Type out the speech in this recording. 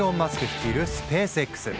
率いるスペースＸ。